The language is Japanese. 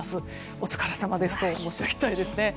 お疲れさまですと申し上げたいですね。